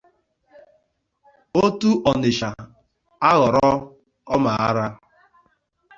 ótú Ọnịsha aghọrọ ọmà ara